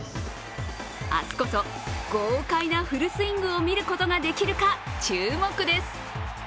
明日こそ豪快なフルスイングを見ることができるか注目です。